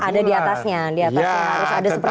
ada di atasnya di atasnya